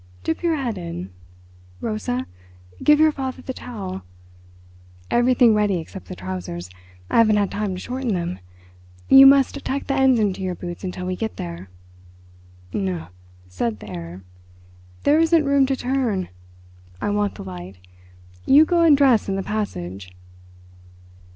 Dip your head in. Rosa, give your father the towel. Everything ready except the trousers. I haven't had time to shorten them. You must tuck the ends into your boots until we get there." "Nu," said the Herr, "there isn't room to turn. I want the light. You go and dress in the passage."